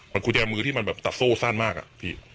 มันกุญแจมือที่มันแบบตัดโซ่สั้นมากอะพี่